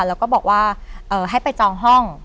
แล้วก็บอกว่าให้ไปจองห้อง